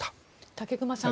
武隈さん